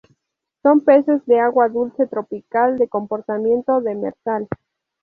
Son peces de agua dulce tropical, de comportamiento demersal.